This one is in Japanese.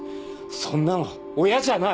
そんなの親じゃない。